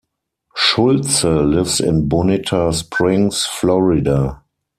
Schulze lives in Bonita Springs, Florida.